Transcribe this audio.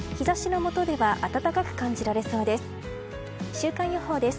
週間予報です。